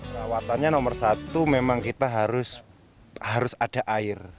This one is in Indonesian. perawatannya nomor satu memang kita harus ada air